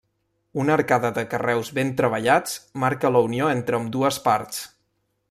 Una arcada de carreus ben treballats marca la unió entre ambdues parts.